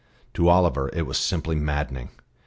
To Oliver it was simply maddening.